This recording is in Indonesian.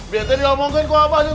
biasanya diomongin ke abah neng